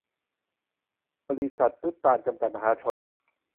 บริษัท นุตตาร จำกัด มหาชน